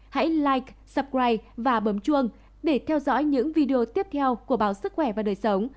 hãy live supri và bấm chuông để theo dõi những video tiếp theo của báo sức khỏe và đời sống